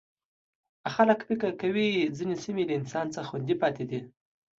خلک فکر کوي ځینې سیمې له انسان څخه خوندي پاتې دي.